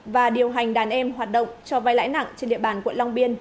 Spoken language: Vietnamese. và điều hành đàn em hoạt động cho vai lãi nặng trên địa bàn quận long biên